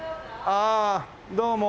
ああどうも。